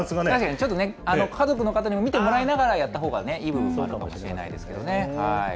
ちょっとね、家族の方にも見てもらいながらやったほうがいい部分があるかもしれないですけどね。